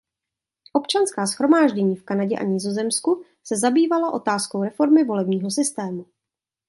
Občanská shromáždění v Kanadě a Nizozemsku se zabývala otázkou reformy volebního systému.